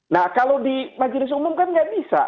nah kalau di majelis umum kan nggak bisa